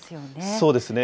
そうですね。